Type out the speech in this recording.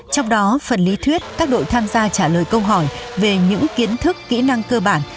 trong đó phần lý thuyết các đội tham gia trả lời câu hỏi về những kiến thức kỹ năng cơ bản